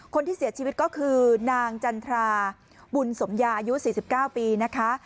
คนที่เสียชีวิตก็คือนางจันทราบุญสมยาอายุ๔๙ปีนะคะ